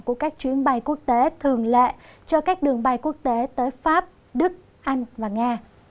của các chuyến bay quốc tế thường lệ cho các đường bay quốc tế tới pháp đức anh và nga